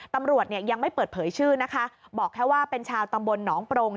ตำรวจเนี่ยยังไม่เปิดเผยชื่อนะคะบอกแค่ว่าเป็นชาวตำบลหนองปรง